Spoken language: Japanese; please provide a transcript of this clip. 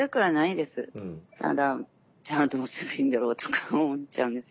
ただじゃあどうしたらいいんだろうとか思っちゃうんですよね。